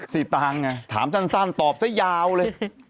ตางค์ไงถามสั้นตอบซะยาวเลย